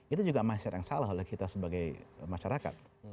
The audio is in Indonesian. itu juga masalah oleh kita sebagai masyarakat